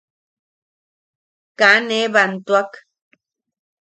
Kaa ne bantuak.